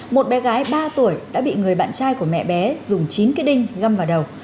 một bé gái ba tuổi đã bị người bạn trai của mẹ bé dùng chín cái đinh găm vào đầu